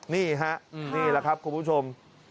นี่แหละครับคุณผู้ชม